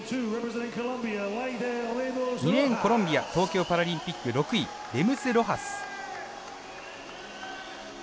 ２レーン、コロンビア東京パラリンピック６位レムスロハス。